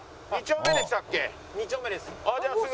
２丁目です。